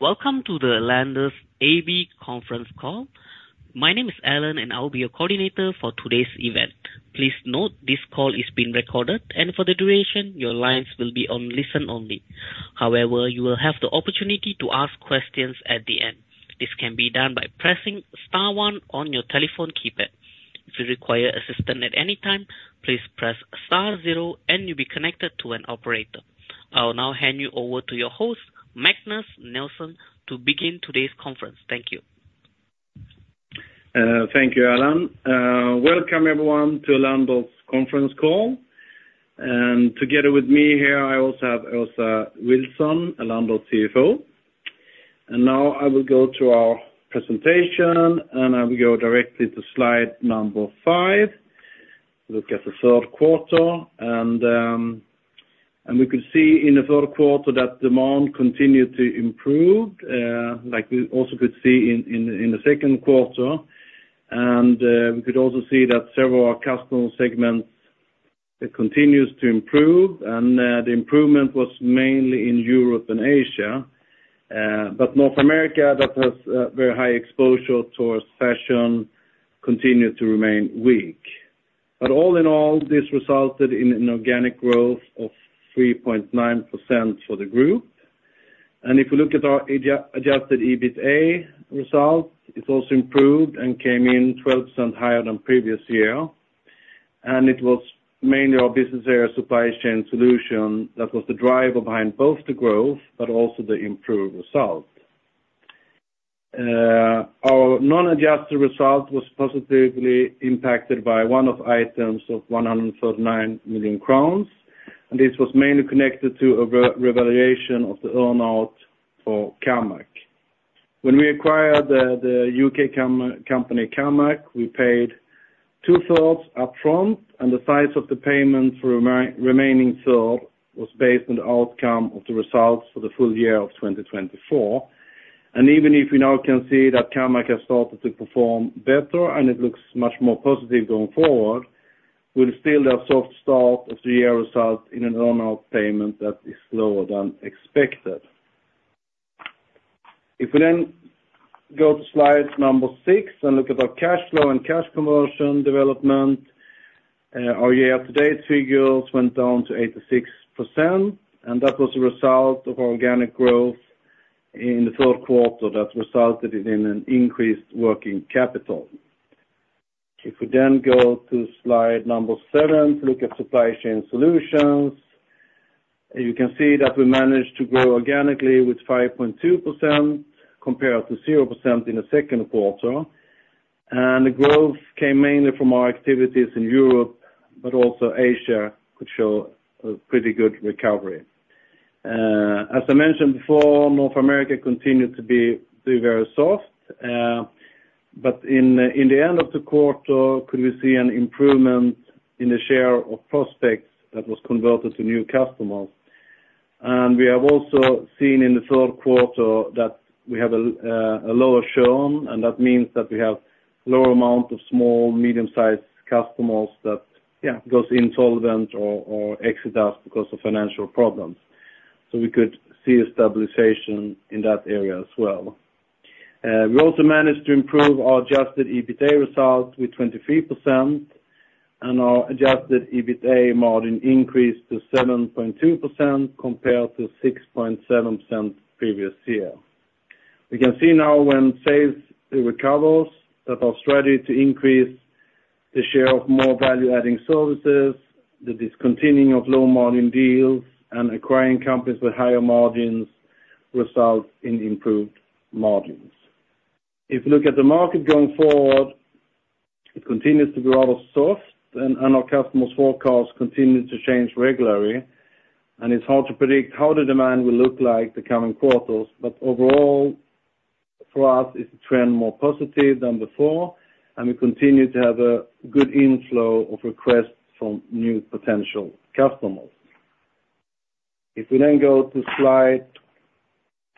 Welcome to the Elanders AB conference call. My name is Alan, and I will be your coordinator for today's event. Please note, this call is being recorded, and for the duration, your lines will be on listen only. However, you will have the opportunity to ask questions at the end. This can be done by pressing star one on your telephone keypad. If you require assistance at any time, please press star zero and you'll be connected to an operator. I'll now hand you over to your host, Magnus Nilsson, to begin today's conference. Thank you. Thank you, Alan. Welcome, everyone, to Elanders conference call, and together with me here, I also have Åsa Vilsson, Elanders CFO. Now I will go to our presentation, and I will go directly to slide number five. Look at the Q3, and we could see in the Q3 that demand continued to improve, like we also could see in the Q2. We could also see that several customer segments, it continues to improve, and the improvement was mainly in Europe and Asia. But North America, that has very high exposure towards fashion, continued to remain weak. All in all, this resulted in an organic growth of 3.9% for the group. If you look at our adjusted EBITDA results, it also improved and came in 12% higher than previous year, and it was mainly our business area, Supply Chain Solution, that was the driver behind both the growth but also the improved results. Our non-adjusted result was positively impacted by one-off items of 139 million crowns, and this was mainly connected to a revaluation of the earn-out for Kammac. When we acquired the UK company, Kammac, we paid two-thirds upfront, and the size of the payment for remaining third was based on the outcome of the results for the full year of 2024. Even if we now can see that Kammac has started to perform better and it looks much more positive going forward, we'll still have soft start of the year result in an earn-out payment that is lower than expected. If we then go to slide number six and look at our cash flow and cash conversion development, our year-to-date figures went down to 86%, and that was a result of organic growth in the Q3 that resulted in an increased working capital. If we then go to slide number seven to look at Supply Chain Solutions, you can see that we managed to grow organically with 5.2% compared to 0% in the Q2. The growth came mainly from our activities in Europe, but also Asia, which show a pretty good recovery. As I mentioned before, North America continued to be very soft, but in the end of the quarter, could we see an improvement in the share of prospects that was converted to new customers. We have also seen in the Q3 that we have a lower churn, and that means that we have lower amount of small, medium-sized customers that goes insolvent or exit us because of financial problems. We could see a stabilization in that area as well. We also managed to improve our adjusted EBITDA results with 23%, and our adjusted EBITDA margin increased to 7.2% compared to 6.7% previous year. We can see now when sales recovers, that our strategy to increase the share of more value-adding services, the discontinuing of low-margin deals, and acquiring companies with higher margins results in improved margins. If you look at the market going forward, it continues to be rather soft, and our customers' forecasts continue to change regularly, and it's hard to predict how the demand will look like the coming quarters, but overall, for us, it's a trend more positive than before, and we continue to have a good inflow of requests from new potential customers. If we then go to slide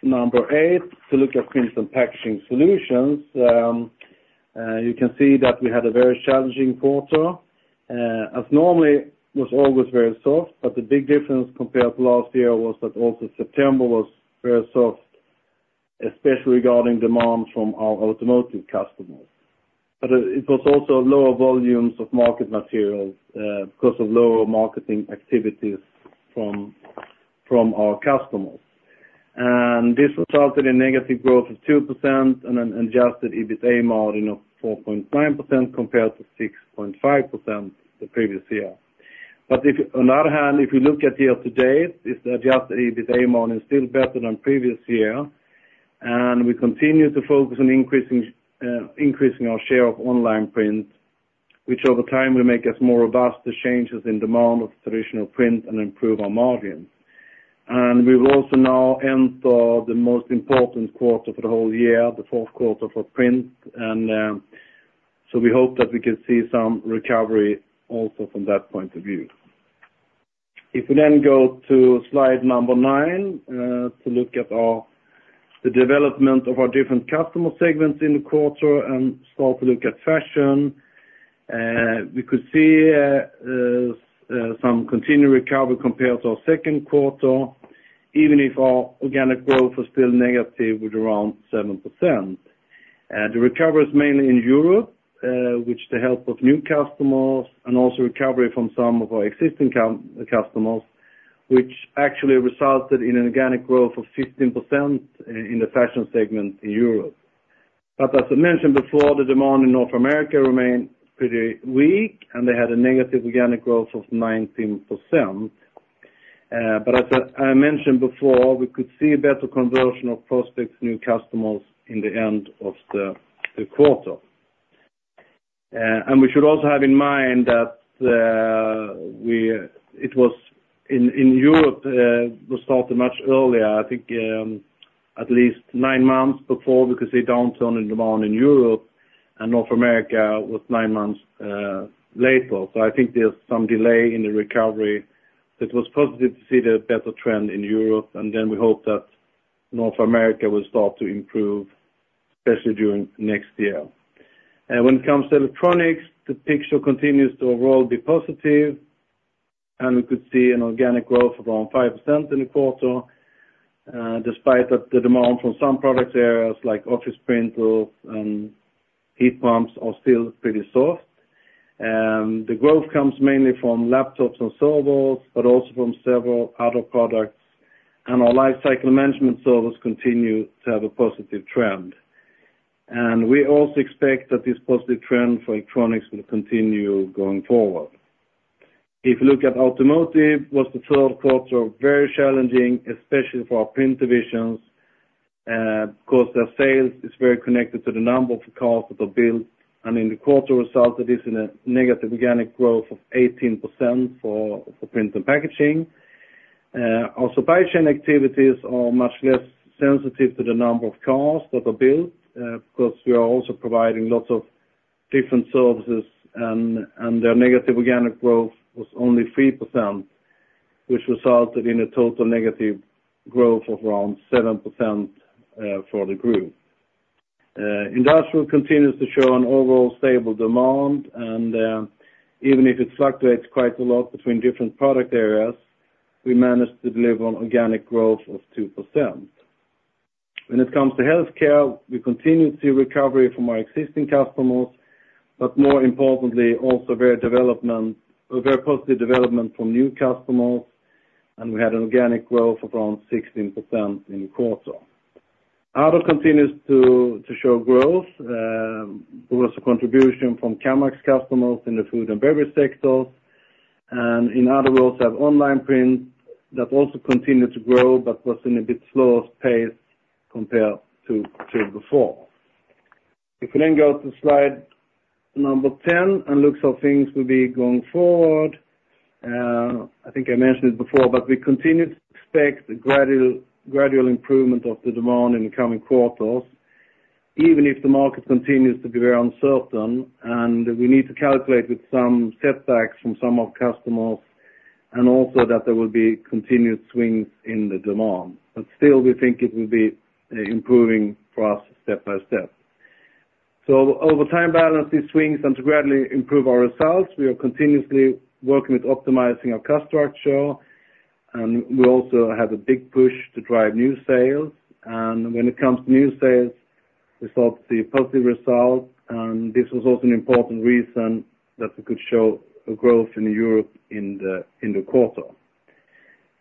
number eight, to look at Print and Packaging Solutions, you can see that we had a very challenging quarter, as normally was always very soft, but the big difference compared to last year was that also September was very soft, especially regarding demand from our automotive customers, but it was also lower volumes of market materials, because of lower marketing activities from our customers, and this resulted in negative growth of 2% and an Adjusted EBITDA margin of 4.9% compared to 6.5% the previous year. But if, on the other hand, if you look at year to date, this Adjusted EBITDA margin is still better than previous year, and we continue to focus on increasing our share of online print, which over time will make us more robust, the changes in demand of traditional print and improve our margins. We will also now enter the most important quarter for the whole year, the Q4 for print, and so we hope that we can see some recovery also from that point of view. If we then go to slide number nine, to look at the development of our different customer segments in the quarter and start to look at fashion, we could see some continued recovery compared to our Q2, even if our organic growth was still negative with around 7%. The recovery is mainly in Europe with the help of new customers and also recovery from some of our existing customers, which actually resulted in an organic growth of 15% in the fashion segment in Europe. But as I mentioned before, the demand in North America remained pretty weak, and they had a negative organic growth of 19%. But as I mentioned before, we could see a better conversion of prospects, new customers in the end of the quarter. And we should also have in mind that it was in Europe we started much earlier, I think, at least nine months before we could see a downturn in demand in Europe, and North America was nine months later. I think there's some delay in the recovery. It was positive to see the better trend in Europe, and then we hope that North America will start to improve, especially during next year. And when it comes to electronics, the picture continues to overall be positive, and we could see an organic growth of around 5% in the quarter, despite that the demand from some product areas like office printers and heat pumps are still pretty soft. The growth comes mainly from laptops and servers, but also from several other products. And our lifecycle management servers continue to have a positive trend. And we also expect that this positive trend for electronics will continue going forward. If you look at automotive, it was the Q3, very challenging, especially for our print divisions, because their sales is very connected to the number of cars that are built, and in the quarter results, it is in a negative organic growth of 18% for print and packaging. Our supply chain activities are much less sensitive to the number of cars that are built, because we are also providing lots of different services, and their negative organic growth was only 3%, which resulted in a total negative growth of around 7% for the group. Industrial continues to show an overall stable demand, and even if it fluctuates quite a lot between different product areas, we managed to deliver on organic growth of 2%. When it comes to healthcare, we continue to see recovery from our existing customers, but more importantly, also very development - a very positive development from new customers, and we had an organic growth of around 16% in the quarter. Other continues to show growth. There was a contribution from Kammac customers in the food and beverage sectors, and in other words, have online print that also continued to grow, but was in a bit slower pace compared to before. If we then go to slide number 10 and look how things will be going forward, I think I mentioned it before, but we continue to expect the gradual, gradual improvement of the demand in the coming quarters, even if the market continues to be very uncertain, and we need to calculate with some setbacks from some of our customers, and also that there will be continued swings in the demand. But still, we think it will be improving for us step by step. So over time, balance these swings and to gradually improve our results, we are continuously working with optimizing our cost structure, and we also have a big push to drive new sales. When it comes to new sales, we start to see a positive result, and this was also an important reason that we could show a growth in Europe in the quarter.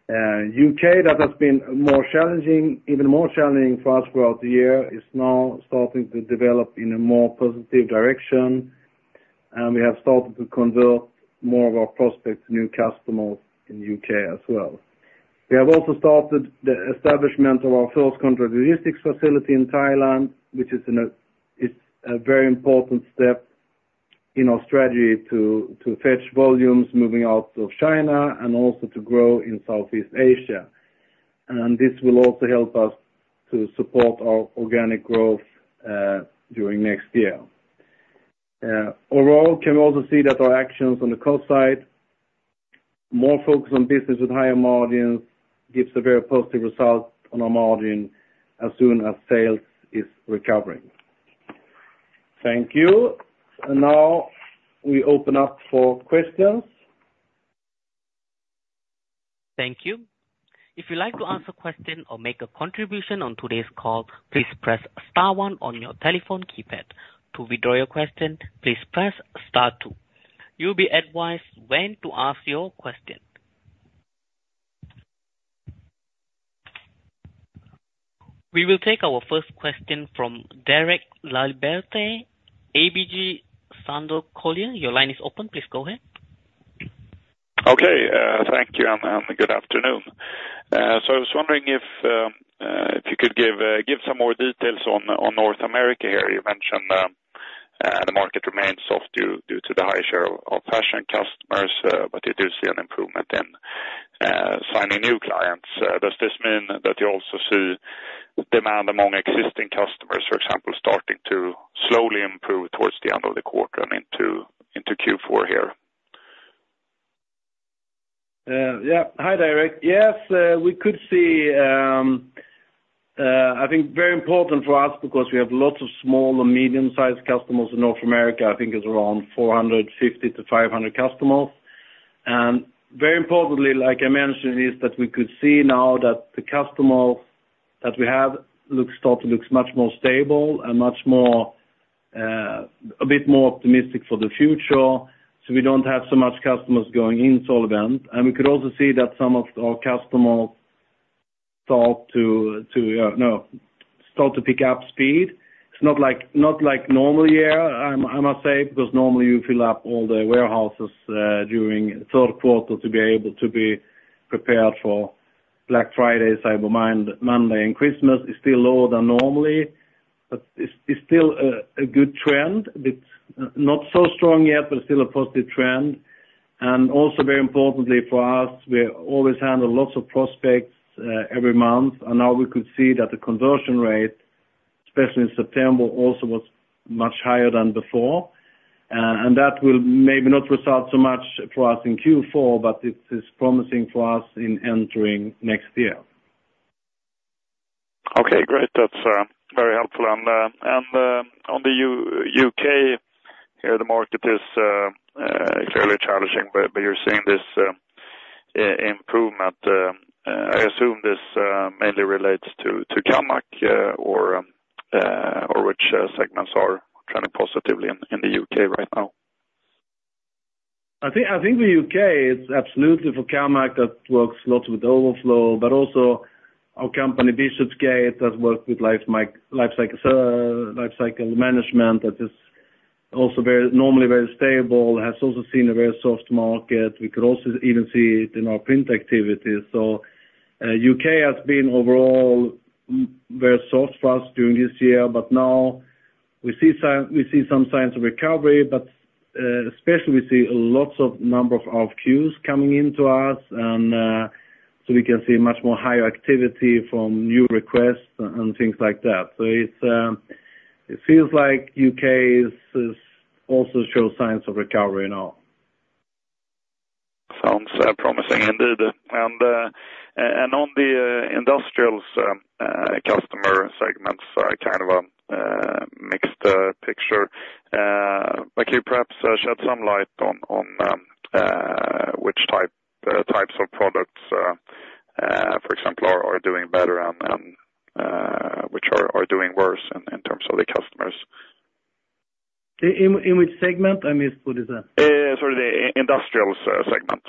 UK, that has been more challenging, even more challenging for us throughout the year, is now starting to develop in a more positive direction, and we have started to convert more of our prospects to new customers in UK as well. We have also started the establishment of our first contract logistics facility in Thailand, which is a very important step in our strategy to fetch volumes moving out of China and also to grow in Southeast Asia. This will also help us to support our organic growth during next year. Overall, can we also see that our actions on the cost side, more focus on business with higher margins, gives a very positive result on our margin as soon as sales is recovering. Thank you, and now we open up for questions. Thank you. If you'd like to ask a question or make a contribution on today's call, please press star one on your telephone keypad. To withdraw your question, please press star two. You'll be advised when to ask your question. We will take our first question from Derek Laliberte, ABG Sundal Collier. Your line is open. Please go ahead. Okay, thank you and good afternoon. I was wondering if you could give some more details on North America here. You mentioned the market remains soft due to the high share of fashion customers, but you do see an improvement in signing new clients. Does this mean that you also see demand among existing customers, for example, starting to slowly improve towards the end of the quarter and into Q4 here?... Yeah. Hi, Derek. Yes, we could see. I think very important for us because we have lots of small and medium-sized customers in North America, I think it's around 450-500 customers. Very importantly, like I mentioned, is that we could see now that the customers that we have look started to look much more stable and much more, a bit more optimistic for the future, so we don't have so much customers going insolvent. We could also see that some of our customers start to pick up speed. It's not like normal year, I must say, because normally you fill up all the warehouses during Q3 to be able to be prepared for Black Friday, Cyber Monday, and Christmas is still lower than normally, but it's still a good trend. It's not so strong yet, but still a positive trend. And also, very importantly for us, we always handle lots of prospects every month, and now we could see that the conversion rate, especially in September, also was much higher than before, and that will maybe not result so much for us in Q4, but it is promising for us in entering next year. Okay, great. That's very helpful. And on the U.K., here the market is clearly challenging, but you're seeing this improvement. I assume this mainly relates to Kammac, or which segments are turning positively in the U.K. right now? I think the UK is absolutely for Kammac, that works lots with overflow, but also our company, Bishopsgate, that work with lifecycle management, that is also very, normally very stable, has also seen a very soft market. We could also even see it in our print activities. UK has been overall very soft for us during this year, but now we see some signs of recovery, but especially we see lots of number of RFQs coming into us. And so we can see much more higher activity from new requests and things like that. So it feels like UK is also show signs of recovery now. Sounds promising indeed. And on the industrials customer segments are kind of mixed picture. But could you perhaps shed some light on which types of products for example are doing better and which are doing worse in terms of the customers? In which segment? I missed what is that? Sorry, the industrials segment.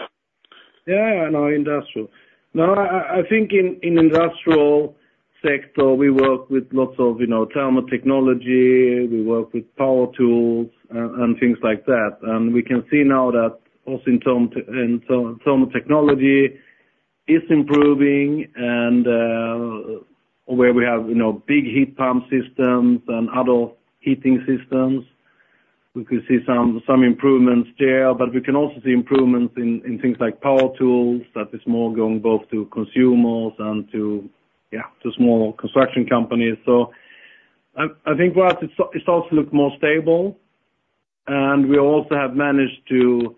Yeah, yeah. No, industrial. No, I think in industrial sector, we work with lots of, you know, thermal technology, we work with power tools and things like that. And we can see now that also in terms of thermal technology is improving, and where we have, you know, big heat pump systems and other heating systems, we can see some improvements there. But we can also see improvements in things like power tools, that is more going both to consumers and to small construction companies. So I think for us, it starts to look more stable, and we also have managed to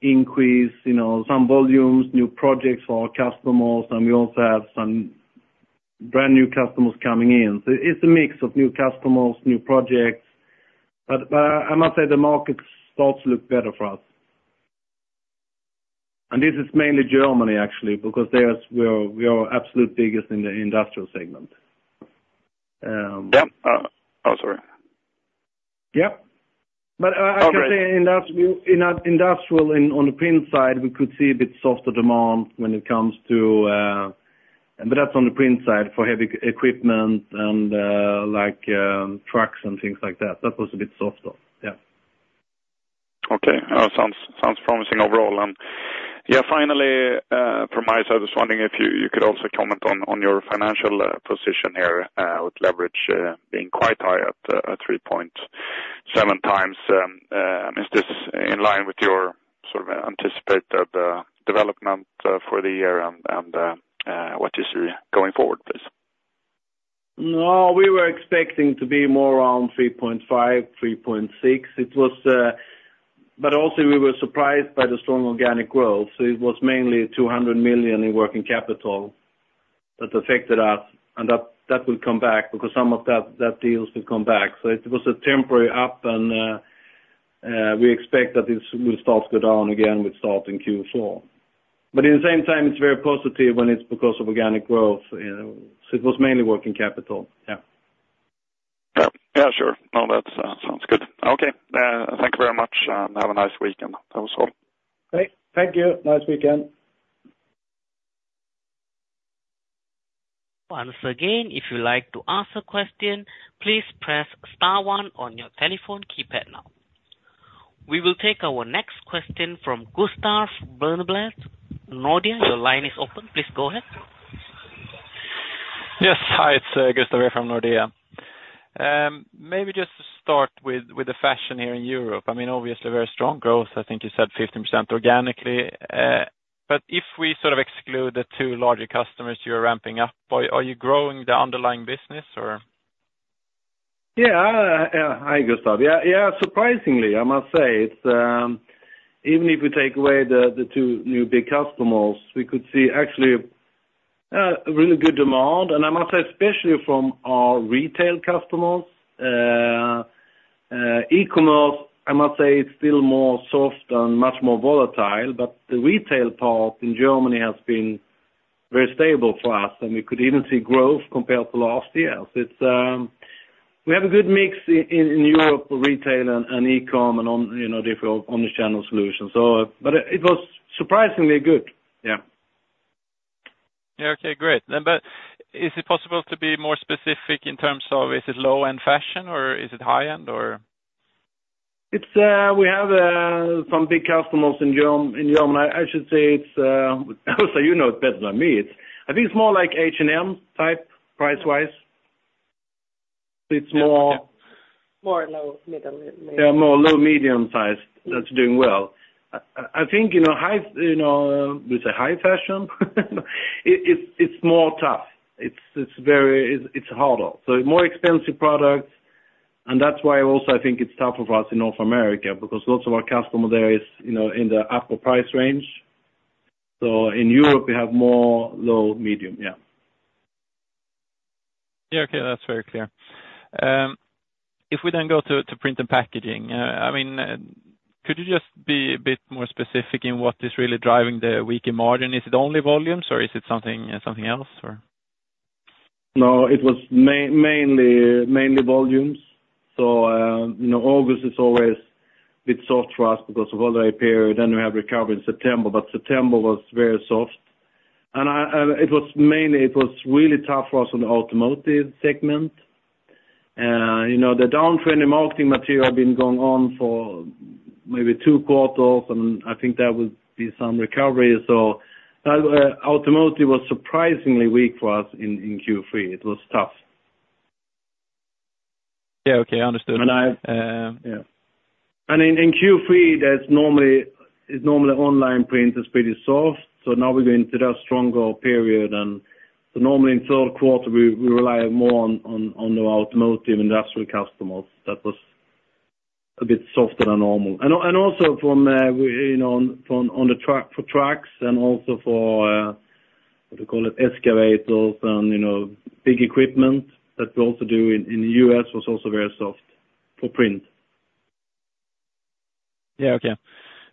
increase, you know, some volumes, new projects for our customers, and we also have some brand-new customers coming in. So it's a mix of new customers, new projects, but I must say the market starts to look better for us. And this is mainly Germany, actually, because that's where we are absolutely biggest in the industrial segment. Yep. Oh, sorry. Yep. Okay. But I can say in industrial on the print side, we could see a bit softer demand when it comes to. But that's on the print side for heavy equipment and like trucks and things like that. That was a bit softer. Yeah. Okay. Sounds promising overall. And yeah, finally, from my side, I was wondering if you could also comment on your financial position here, with leverage being quite high at three point seven times. Is this in line with your sort of anticipated development for the year and what you see going forward, please? No, we were expecting to be more around 3.5, 3.6. It was. But also, we were surprised by the strong organic growth, so it was mainly 200 million in working capital that affected us, and that will come back because some of that deals will come back. So it was a temporary up, and we expect that this will start to go down again, with start in Q4. But at the same time, it's very positive when it's because of organic growth, you know. So it was mainly working capital. Yeah. Yeah. Yeah, sure. No, that sounds good. Okay, thank you very much, and have a nice weekend. That was all. Great. Thank you. Nice weekend. Once again, if you'd like to ask a question, please press star one on your telephone keypad now. We will take our next question from Gustav Berneblad, Nordea. Your line is open. Please go ahead. Yes. Hi, it's Gustav from Nordea. Maybe just to start with, with the fashion here in Europe, I mean, obviously very strong growth. I think you said 15% organically, but if we sort of exclude the two larger customers you're ramping up, are you growing the underlying business, or? Yeah, hi, Gustav. Yeah, yeah, surprisingly, I must say, it's even if we take away the two new big customers, we could see actually a really good demand. And I must say, especially from our retail customers, e-commerce, I must say it's still more soft and much more volatile, but the retail part in Germany has been very stable for us, and we could even see growth compared to last year. It's we have a good mix in Europe for retail and e-com and, you know, different omni-channel solutions, but it was surprisingly good. Yeah. Yeah, okay, great, then but is it possible to be more specific in terms of, is it low-end fashion, or is it high-end, or? It's, we have some big customers in Germany. I should say it's also, you know it better than me. It's I think it's more like H&M type, price-wise. It's more- More low, middle, maybe. Yeah, more low, medium size that's doing well. I think, you know, high, you know, we say high fashion? It's more tough. It's very harder. So more expensive products, and that's why also I think it's tough for us in North America, because most of our customer there is, you know, in the upper price range. So in Europe, we have more low, medium, yeah. Yeah, okay, that's very clear. If we then go to print and packaging, I mean, could you just be a bit more specific in what is really driving the weaker margin? Is it only volumes, or is it something else, or? No, it was mainly volumes. So, you know, August is always a bit soft for us because of holiday period, then we have recovery in September, but September was very soft. And it was mainly, it was really tough for us on the automotive segment. You know, the down trend in marketing material had been going on for maybe two quarters, and I think there will be some recovery. So, automotive was surprisingly weak for us in Q3. It was tough. Yeah, okay. Understood. And I- Uh, yeah. And in Q3, there's normally, it's normally online print is pretty soft, so now we're going into that stronger period, and so normally in Q3, we rely more on the automotive industrial customers. That was a bit softer than normal. And also from we, you know, on the truck, for trucks, and also for what we call it, excavators and, you know, big equipment that we also do in the U.S., was also very soft for print. Yeah, okay.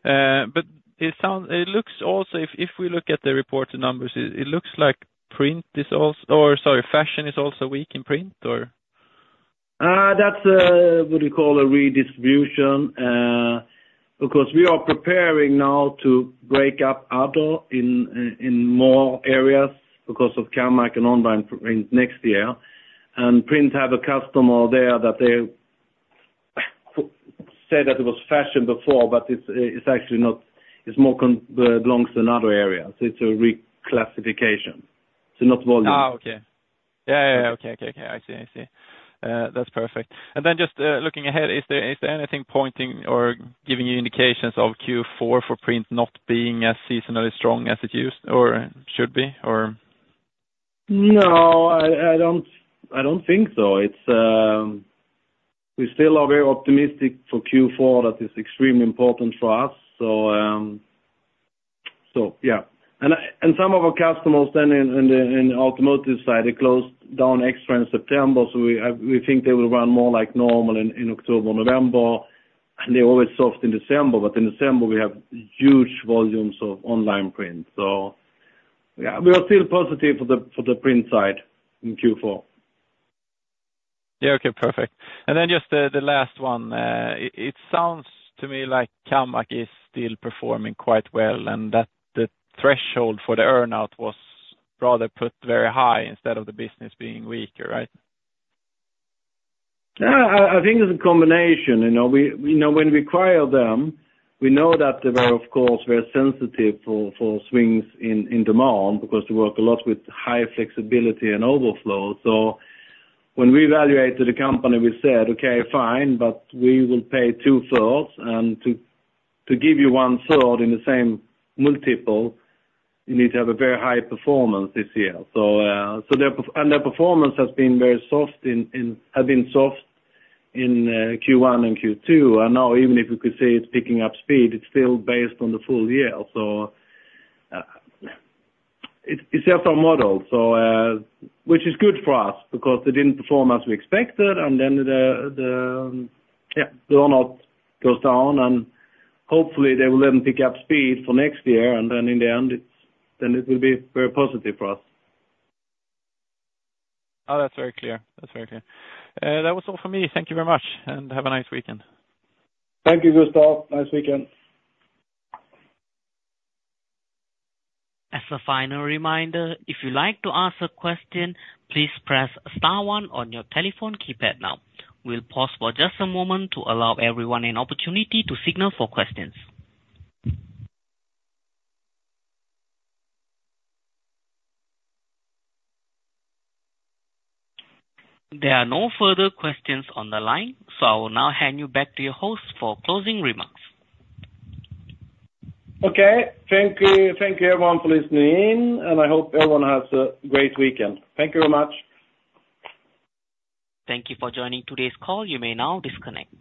But it sounds, it looks also, if we look at the reported numbers, it looks like print is also... or sorry, fashion is also weak in print, or? That's what we call a redistribution, because we are preparing now to break up in more areas because of Kammac and online for next year, and Print have a customer there that they say that it was fashion before, but it's actually not. It's more belongs to another area, so it's a reclassification. It's not volume. Okay. Yeah. Okay. I see. That's perfect. And then just looking ahead, is there anything pointing or giving you indications of Q4 for print not being as seasonally strong as it used or should be, or? No, I don't think so. It's, we still are very optimistic for Q4. That is extremely important for us. So yeah. And some of our customers then in the automotive side, they closed down extra in September, so we think they will run more like normal in October, November, and they're always soft in December, but in December we have huge volumes of online print. So yeah, we are still positive for the print side in Q4. Yeah, okay, perfect. And then just the last one. It sounds to me like Kammac is still performing quite well, and that the threshold for the earn-out was rather put very high instead of the business being weaker, right? Yeah, I think it's a combination. You know, we know when we acquire them, we know that they were, of course, very sensitive for swings in demand because they work a lot with high flexibility and overflow. So when we evaluated the company, we said, "Okay, fine, but we will pay two-thirds, and to give you one-third in the same multiple, you need to have a very high performance this year." So their performance has been very soft in Q1 and Q2, and now even if we could say it's picking up speed, it's still based on the full year. So, it's just our model, so, which is good for us because they didn't perform as we expected, and then the, yeah, the earn-out goes down, and hopefully they will then pick up speed for next year, and then in the end, it's... then it will be very positive for us. Oh, that's very clear. That's very clear. That was all for me. Thank you very much, and have a nice weekend. Thank you, Gustav. Nice weekend. As a final reminder, if you'd like to ask a question, please press star one on your telephone keypad now. We'll pause for just a moment to allow everyone an opportunity to signal for questions. There are no further questions on the line, so I will now hand you back to your host for closing remarks. Okay. Thank you. Thank you everyone for listening in, and I hope everyone has a great weekend. Thank you very much. Thank you for joining today's call. You may now disconnect.